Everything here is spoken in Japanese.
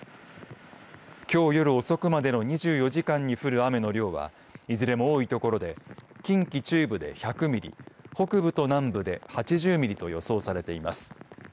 きょう夜遅くまでの２４時間に降る雨の量はいずれも多い所で近畿中部で１００ミリ北部と南部で８０ミリと予想されています。